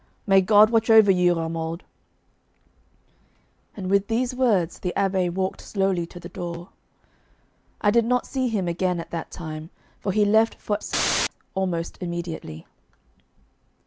May God watch over you, Romuald!' And with these words the Abbé walked slowly to the door. I did not see him again at that time, for he left for S almost immediately.